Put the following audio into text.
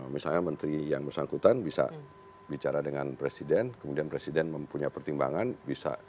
misalnya menteri yang bersangkutan bisa bicara dengan presiden kemudian presiden mempunyai pertimbangan bisa